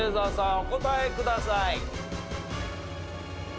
お答えください。